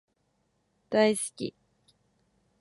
大好き